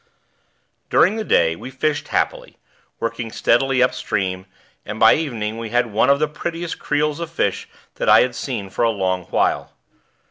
During the day we fished happily, working steadily upstream, and by evening we had one of the prettiest creels of fish that I had seen for a long while.